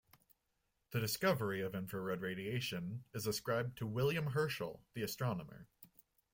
The discovery of infrared radiation is ascribed to William Herschel, the astronomer.